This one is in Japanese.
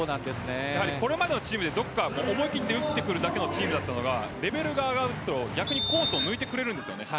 これまでのチームってどこか思い切って打ってくるだけのチームだったのがレベルが上がるとコースを抜いてくるんですよね。